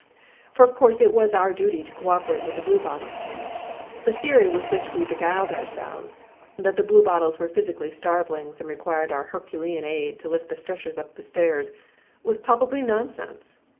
For of course it was our duty to co operate with the Bluebottles. The theory with which we beguiled ourselves, that the Bluebottles were physically starvelings and required our Herculean aid to lift the stretchers up the stairs, was palpably nonsense.